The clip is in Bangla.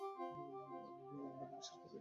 আমি আপনাকে বিশ্বাস করি না, স্যার।